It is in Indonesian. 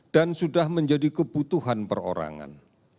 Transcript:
dan sudah menjadi kebutuhan perorangan